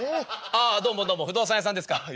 ああどうもどうも不動産屋さんですか。